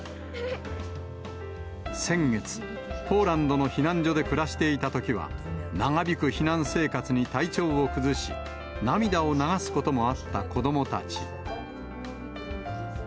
先月、ポーランドの避難所で暮らしていたときは、長引く避難生活に体調を崩し、涙を流すこともあった子どもたち。